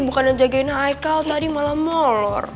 bukannya jagain haikal tadi malah mau lor